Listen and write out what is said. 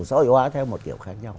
sợi hóa theo một kiểu khác nhau